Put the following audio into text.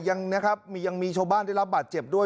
ยังมีชาวบ้านได้รับบาดเจ็บด้วย